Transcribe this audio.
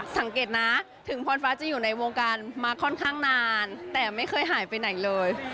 สังเกตนะถึงพรฟ้าจะอยู่ในวงการมาค่อนข้างนานแต่ไม่เคยหายไปไหนเลย